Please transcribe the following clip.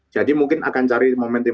jadi mungkin akan cari momentum